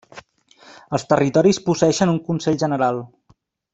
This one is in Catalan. Els territoris posseeixen un consell general.